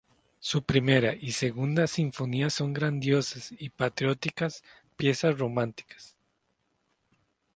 Su "Primera "y "Segunda sinfonías" son grandiosas y patrióticas piezas románticas.